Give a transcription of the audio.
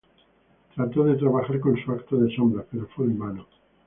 Trató de trabajar con su acto de sombras, pero fue en vano.